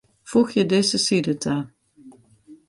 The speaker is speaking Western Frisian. Foegje dizze side ta.